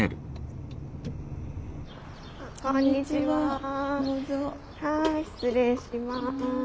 はい失礼します。